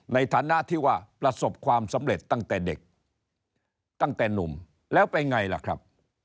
ในฐานะที่ว่าประสบความสำเร็จตั้งแต่เด็กตั้งแต่หนุ่มแล้วไปไงล่ะครับ